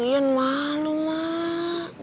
ian malu mak